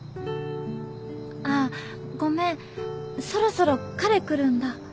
あっごめんそろそろ彼来るんだ。